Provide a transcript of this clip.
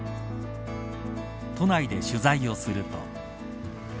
都内で取材をすると。